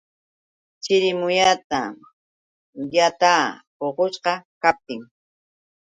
Chirimuyatam yataa puqushqa kaptin.